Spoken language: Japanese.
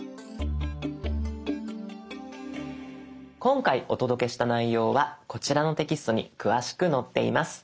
今回お届けした内容はこちらのテキストに詳しく載っています。